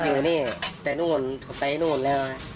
อยู่นี่แต่นู่นแต่นู่นแล้ว